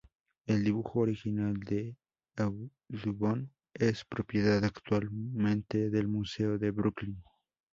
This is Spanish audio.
El dibujo original de Audubon es propiedad actualmente del Museo de Brooklyn.